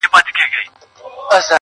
خونه له شنو لوګیو ډکه ده څه نه ښکاریږي؛